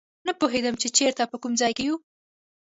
نه پوهېدم چې چېرته او په کوم ځای کې یو.